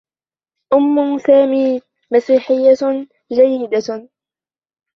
أمّ سامي مسيحيّة جيّدة.